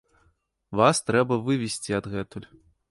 Вас трэба вывесці адгэтуль.